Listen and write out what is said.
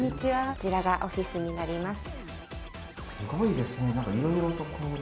こちらがオフィスになります。